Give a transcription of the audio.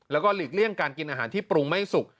แล้วก็หลีกเลี่ยงการกินอาหารที่ปรุงไม่สุก